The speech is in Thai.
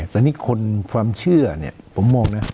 แต่นี่คนความเชื่อเนี่ยผมมองนะ